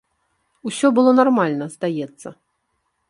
Усё было нармальна, здаецца.